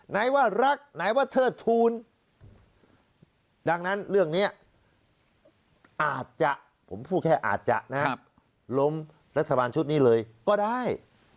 ไหนว่ารักไหนว่าเถิดทูนดังนั้นเรื่องนี้อาจจะรมรัฐบาลชุดนี้เลยก็ได้